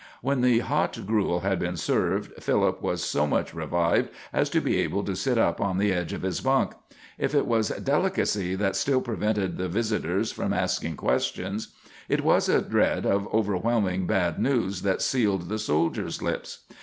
When the hot gruel had been served, Philip was so much revived as to be able to sit up on the edge of his bunk. If it was delicacy that still prevented the visitors from asking questions, it was a dread of overwhelming bad news that sealed the soldiers' lips.